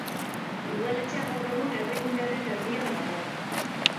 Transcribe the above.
Udaletxea gaur egun herrigunearen erdian dago.